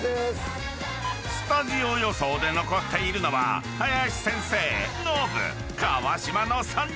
［スタジオ予想で残っているのは林先生ノブ川島の３人］